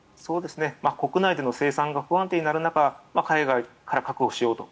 国内での生産が不安定になる中海外から確保しようと。